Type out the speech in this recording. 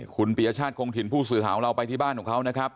คุณปียชาติคงถิ่นผู้สื่อข่าวของเราไปที่บ้านของเขานะครับ